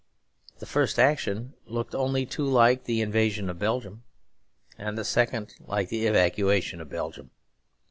The first action looked only too like the invasion of Belgium, and the second like the evacuation of Belgium.